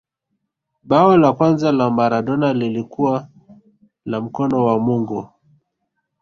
bao la kwanza la maradona lilikuwa la mkono wa mungu